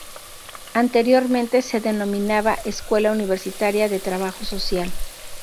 Anteriormente, se denominaba "Escuela Universitaria de Trabajo Social".